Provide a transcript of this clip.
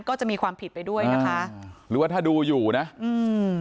ก็จะมีความผิดไปด้วยนะคะหรือว่าถ้าดูอยู่นะอืม